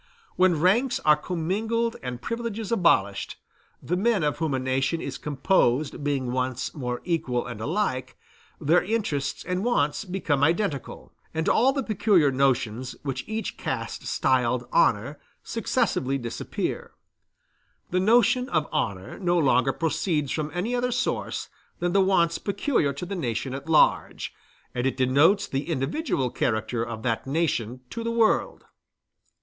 When ranks are commingled and privileges abolished, the men of whom a nation is composed being once more equal and alike, their interests and wants become identical, and all the peculiar notions which each caste styled honor successively disappear: the notion of honor no longer proceeds from any other source than the wants peculiar to the nation at large, and it denotes the individual character of that nation to the world.